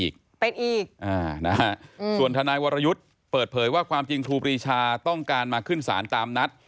ก็หมดเวลาก่อนนะครับ